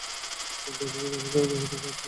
আপনার কী মনে হচ্ছে, আমাদের সাথে কী হতে যাচ্ছে?